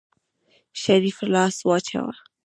شريف لاس واچوه.